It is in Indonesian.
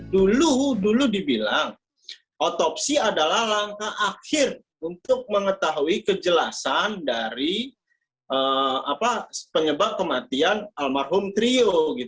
dulu dulu dibilang otopsi adalah langkah akhir untuk mengetahui kejelasan dari penyebab kematian almarhum trio